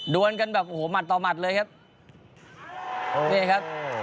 วนกันแบบโอ้โหหมัดต่อหมัดเลยครับนี่ครับ